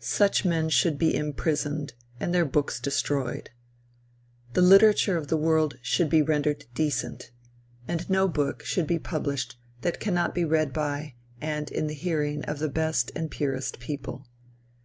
Such men should be imprisoned and their books destroyed. The literature of the world should be rendered decent, and no book should be published that cannot be read by, and in the hearing of the best and purest people.